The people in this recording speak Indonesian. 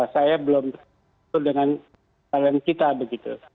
saya belum setuju dengan surveillance kita